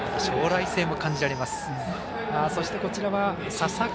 将来性も感じられます。